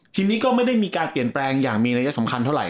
ทีนี้ก็ไม่ได้มีการเปลี่ยนแปลงอย่างมีระยะสำคัญเท่าไห